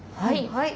はい。